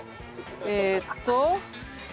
えーっと。